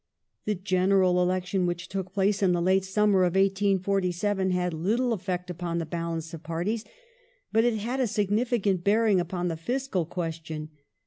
The General Election which took place in the late summer of 1847 had little effect upon the balance of parties, but it had a significant bearing upon the fiscal question.